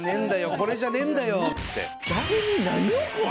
これじゃねえんだよ」っつって。